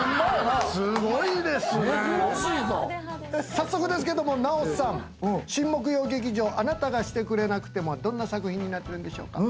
早速ですけども奈緒さん新木曜劇場『あなたがしてくれなくても』はどんな作品になってるんでしょうか？